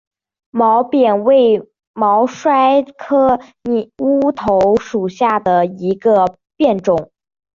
牛扁为毛茛科乌头属下的一个变种。